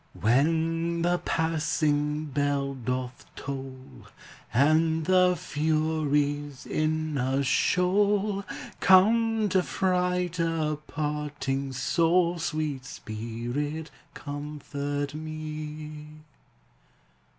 When the passing bell doth toll, And the Furies, in a shoal, Come to fright a parting soul, Sweet Spirit, comfort me!